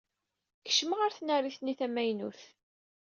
Kecmeɣ ɣer tnarit-nni tamaynut.